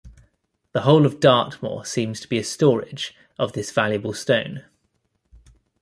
The whole of Dartmoor seems to be a storage of this valuable stone.